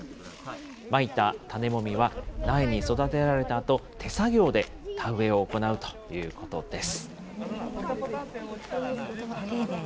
まいた種もみは、苗に育てられたあと、手作業で田植えを行うということです。